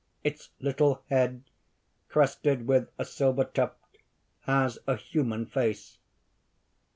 Its little head, crested with a silver tuft, has a human face.